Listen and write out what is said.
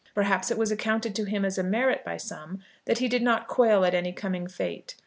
Perhaps it was accounted to him as a merit by some that he did not quail at any coming fate.